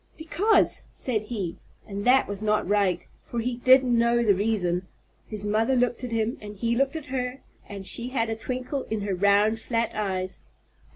"Because!" said he. And that was not right, for he did know the reason. His mother looked at him, and he looked at her, and she had a twinkle in her round, flat eyes.